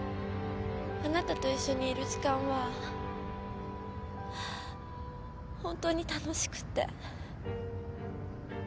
あなたと一緒にいる時間はホントに楽しくって。